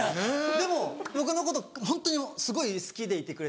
でも僕のことホントにすごい好きでいてくれた彼女。